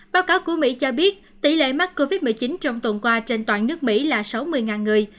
báo cáo của mỹ cho biết tỷ lệ mắc covid một mươi chín trong tuần qua trên toàn nước mỹ là sáu mươi người